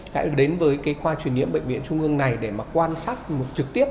hãy đến với khoa truyền nhiễm bệnh viện trung ương này để quan sát trực tiếp